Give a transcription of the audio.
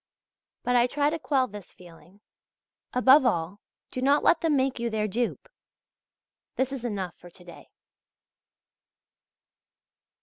But I try to quell this feeling.{Z} Above all, do not let them make you their dupe.... This is enough for to day.